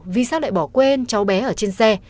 vì sao lại bỏ quên cháu bé ở trên xe